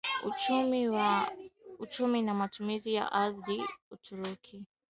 Uchumi na Matumizi ya Ardhi nchini Uturuki